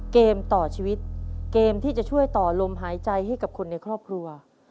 เกมต่อชีวิตเกมที่จะช่วยต่อลมหายใจให้กับคนในครอบครัว